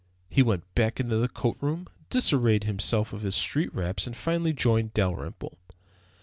He went back into the coat room, disarrayed himself of his street wraps, and finally joined Dalrymple.